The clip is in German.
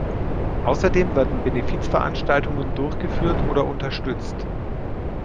Außerdem werden Benefiz-Veranstaltungen durchgeführt oder unterstützt.